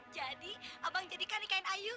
jadi abang jadikan nikahin ayu